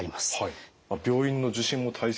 病院の受診も大切です。